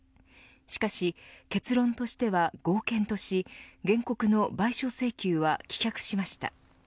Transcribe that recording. しかし、結論としては合憲とし原告の賠償請求は棄却しました。